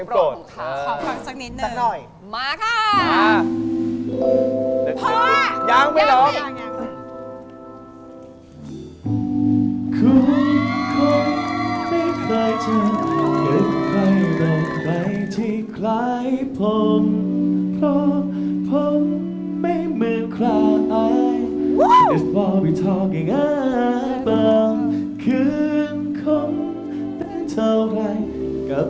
โปรดค่ะสักหน่อยมาค่ะพอยังไม่หรอกยังค่ะ